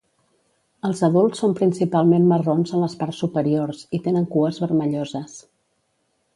Els adults són principalment marrons en les parts superiors, i tenen cues vermelloses.